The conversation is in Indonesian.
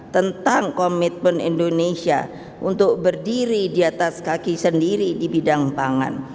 tentang komitmen indonesia untuk berdiri di atas kaki sendiri di bidang pangan